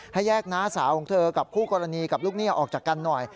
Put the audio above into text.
ให้แยกน้าสาวของเธอกับคู่กรณีกับลูกหนี้ออกจากกันหน่อย